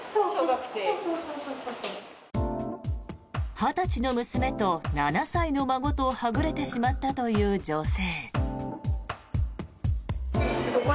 ２０歳の娘と７歳の孫とはぐれてしまったという女性。